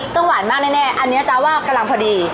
หวานมากแน่อันนี้จ๊ะว่ากำลังพอดี